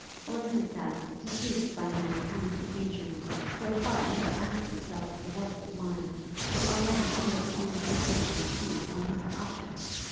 or is it that, deceived by my apparent engagement, your heart never asked itself the worth of mine, till already all its own pulsations beat for another object?'